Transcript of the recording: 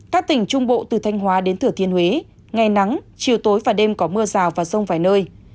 các tỉnh trung bộ từ thanh hóa đến thửa thiên huế ngày nắng chiều tối và đêm có mưa rào và rông vài nơi